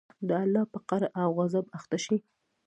د الله په قهر او غصب اخته شئ.